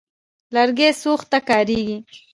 لرګي سوخت ته کارېږي.